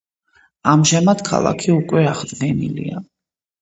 ამჟამად ქალაქი უკვე მთლიანად აღდგენილია.